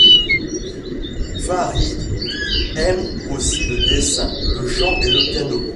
Fahriye aime aussi le dessin, le chant et le piano.